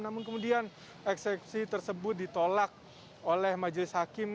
namun kemudian eksepsi tersebut ditolak oleh majelis hakim